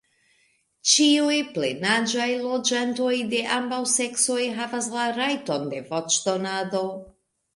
Ĉiuj plenaĝaj loĝantoj de ambaŭ seksoj havas la rajton de voĉdonado.